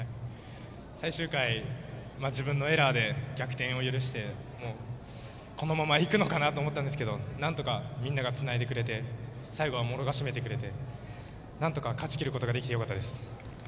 最終回、自分のエラーで逆転を許して、このままいくのかなと思ったんですがなんとかみんながつないでくれて最後は茂呂が締めてくれてなんとか勝ちきることができてよかったです。